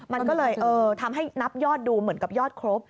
มันก็เลยทำให้นับยอดดูเหมือนกับยอดครบ